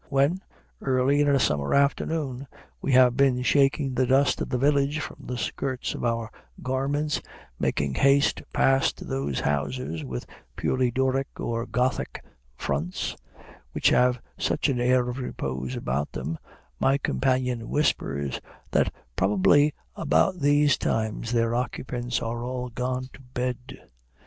When, early in a summer afternoon, we have been shaking the dust of the village from the skirts of our garments, making haste past those houses with purely Doric or Gothic fronts, which have such an air of repose about them, my companion whispers that probably about these times their occupants are all gone to bed.